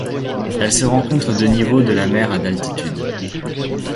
Elle se rencontre de niveau de la mer à d'altitude.